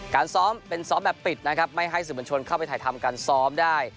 การซ้อมเป็นซ้อมแบบปิดนะครับไม่ให้สื่อมวลชนเข้าไปถ่ายทำการซ้อมได้